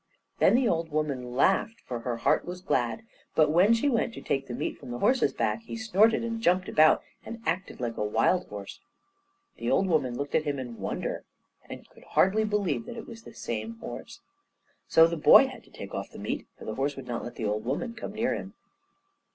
Then the old woman laughed, for her heart was glad. But when she went to take the meat from the horse's back, he snorted and jumped about, and acted like a wild horse. The old woman looked at him in wonder, and could hardly believe that it was the same horse. So the boy had to take off the meat, for the horse would not let the old woman come near him.